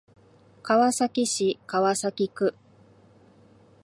川崎市川崎区